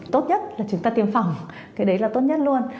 tốt nhất là chúng ta tiêm phòng cái đấy là tốt nhất luôn